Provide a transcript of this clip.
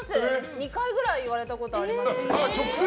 ２回ぐらい言われたことあります。